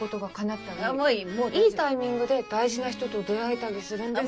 いいタイミングで大事な人と出会えたりするんです。